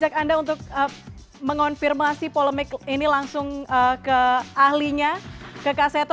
saya untuk mengonfirmasi polemik ini langsung ke ahlinya ke kak seto